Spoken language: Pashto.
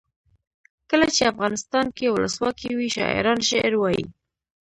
کله چې افغانستان کې ولسواکي وي شاعران شعر وايي.